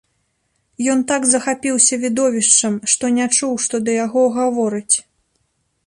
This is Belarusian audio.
Ён так захапіўся відовішчам, што не чуў, што да яго гавораць.